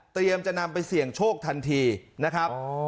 จะนำไปเสี่ยงโชคทันทีนะครับ